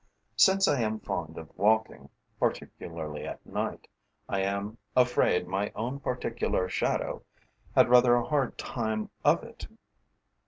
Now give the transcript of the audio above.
Since I am fond of walking, particularly at night, I am afraid my own particular shadow had rather a hard time of it.